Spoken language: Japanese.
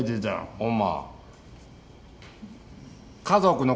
ほんま。